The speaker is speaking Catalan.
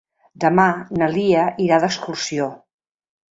Demà na Lia irà d'excursió.